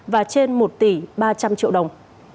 và trên một tỷ ba trăm linh triệu đồng